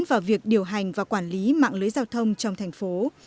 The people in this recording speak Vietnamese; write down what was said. vào việc điều hành và quản lý mạng lưới giao thông trong thành phố